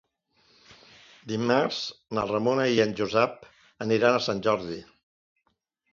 Dimarts na Ramona i en Josep aniran a Sant Jordi.